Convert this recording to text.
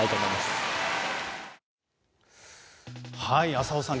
浅尾さん